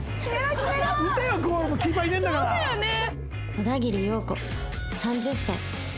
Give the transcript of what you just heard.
小田切洋子３０歳